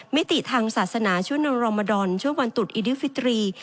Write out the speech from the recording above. มิติทางศาสนาช่วงรมดอนช่วงวันตุดอิดิฟิตรี